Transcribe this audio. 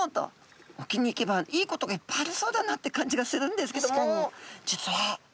沖に行けばいいことがいっぱいありそうだなって感じがするんですけども実は食べ物が少ないんですね。